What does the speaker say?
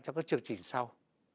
trong các chương trình tiếp theo